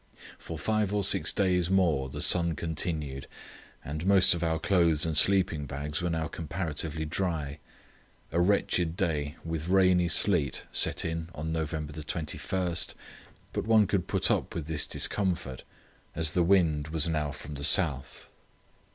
For five or six days more the sun continued, and most of our clothes and sleeping bags were now comparatively dry. A wretched day with rainy sleet set in on November 21, but one could put up with this discomfort as the wind was now from the south.